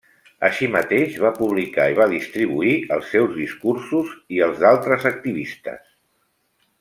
Així mateix, va publicar i va distribuir els seus discursos i els d'altres activistes.